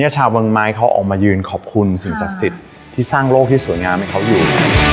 ชาวเมืองไม้เขาออกมายืนขอบคุณสิ่งศักดิ์สิทธิ์ที่สร้างโลกที่สวยงามให้เขาอยู่